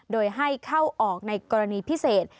โดยให้เข้าออกในกรณีพิเศษ